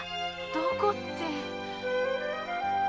どこって。